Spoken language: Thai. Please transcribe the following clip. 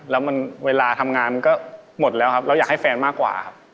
แล้วมันเวลาทำงานมันก็หมดแล้วครับเราอยากให้แฟนมากกว่าครับ